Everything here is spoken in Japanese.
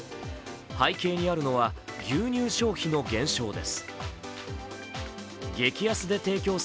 背景にあるのは牛乳消費の減少です。